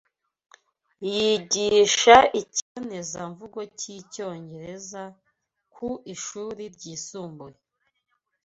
Yigisha ikibonezamvugo cy'icyongereza ku ishuri ryisumbuye.